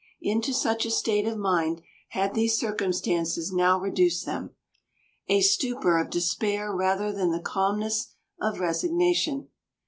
Into such a state of mind had these circumstances now reduced them, a stupor of despair rather than the calmness of resignation.